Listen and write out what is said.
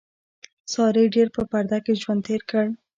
سارې ډېر په پرده کې ژوند تېر کړ.